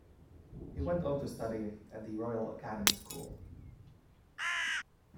He went on to study at the Royal Academy School.